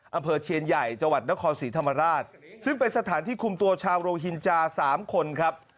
อำเภอเชียนใหญ่จังหวัดนครศรีธรรมราชซึ่งเป็นสถานที่คุมตัวชาวโรฮินจาสามคนครับ